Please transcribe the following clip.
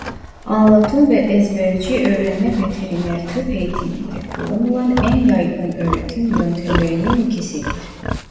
Anlatım ve ezberci öğrenme veteriner tıp eğitiminde kullanılan en yaygın öğretim yöntemlerinin ikisidir.